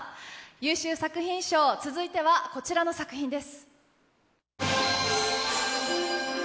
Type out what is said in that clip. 優秀作品賞、続いてはこちらの作品です。